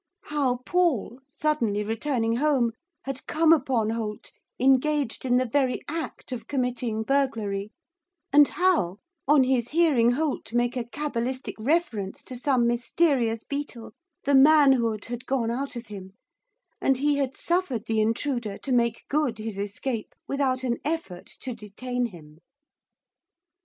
How Paul, suddenly returning home, had come upon Holt engaged in the very act of committing burglary, and how, on his hearing Holt make a cabalistic reference to some mysterious beetle, the manhood had gone out of him, and he had suffered the intruder to make good his escape without an effort to detain him.